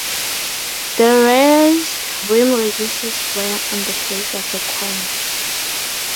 The raised rim reduces wear on the face of the coin.